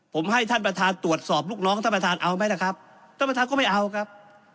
ผมให้ท่านประธานตรวจสอบลูกน้องท่านประธานเอาไหมล่ะครับท่านประธานก็ไม่เอาครับ